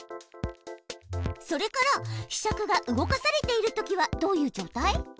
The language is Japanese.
それからひしゃくが動かされているときはどういう状態？